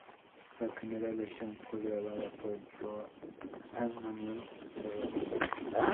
La primera versión fue grabada por Joan Manuel Serrat.